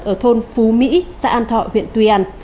ở thôn phú mỹ xã an thọ huyện tuy an